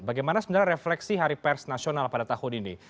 bagaimana sebenarnya refleksi hari pers nasional pada tahun ini